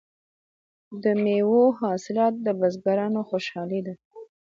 د میوو حاصلات د بزګرانو خوشحالي ده.